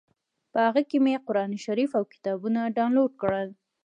په هغه کې مې قران شریف او کتابونه ډاونلوډ کړل.